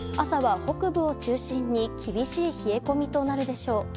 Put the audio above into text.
朝は北部を中心に厳しい冷え込みとなるでしょう。